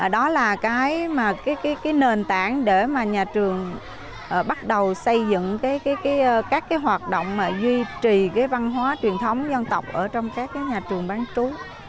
đó là cái mà cái cái cái nền tảng để mà nhà trường bắt đầu xây dựng cái cái cái các cái hoạt động mà duy trì cái văn hóa truyền thống dân tộc ở trong các cái nhà trường bán chú